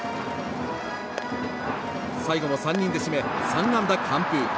最後も３人で締め、３安打完封。